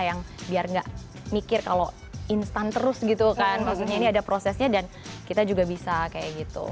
yang biar nggak mikir kalau instan terus gitu kan maksudnya ini ada prosesnya dan kita juga bisa kayak gitu